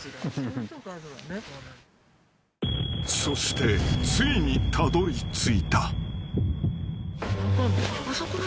［そしてついにたどりついた］